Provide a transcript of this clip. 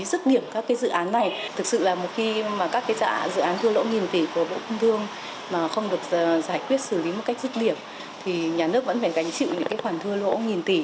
dứt điểm các dự án này thực sự là một khi các dự án thua lỗ nghìn tỷ của bộ công thương mà không được giải quyết xử lý một cách dứt điểm thì nhà nước vẫn phải gánh chịu những khoản thua lỗ nghìn tỷ